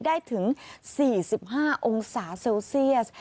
ได้ถึง๔๕องศาเซลเซียส